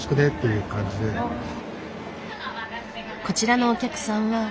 こちらのお客さんは。